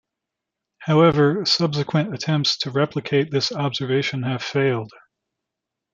However, subsequent attempts to replicate this observation have failed.